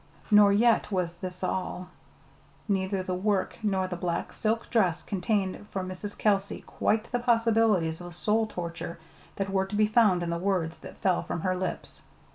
Nor yet was this all. Neither the work nor the black silk dress contained for Mrs. Kelsey quite the possibilities of soul torture that were to be found in the words that fell from her lips.